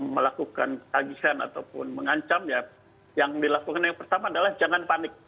melakukan tagihan ataupun mengancam ya yang dilakukan yang pertama adalah jangan panik